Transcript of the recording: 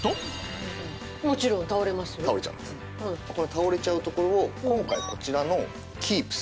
倒れちゃうところを今回こちらのＫｅｅｐｓ。